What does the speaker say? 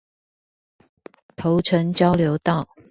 頭城交流道